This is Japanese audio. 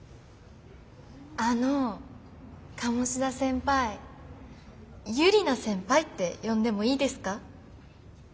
あの鴨志田先輩ユリナ先輩って呼んでもいいですか？